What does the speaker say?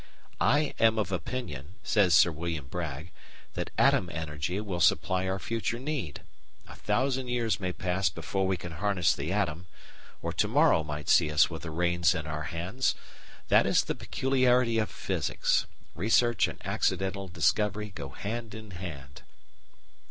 "I am of opinion," says Sir William Bragg, "that atom energy will supply our future need. A thousand years may pass before we can harness the atom, or to morrow might see us with the reins in our hands. That is the peculiarity of Physics research and 'accidental' discovery go hand in hand."